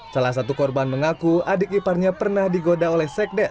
salah satu korban mengaku adik iparnya pernah digoda oleh sekden